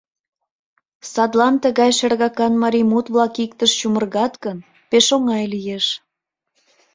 Садлан тыгай шергакан марий мут-влак иктыш чумыргат гын, пеш оҥай лиеш.